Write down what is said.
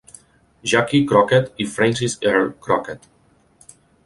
"Jackie" Crockett i Frances Earl Crockett.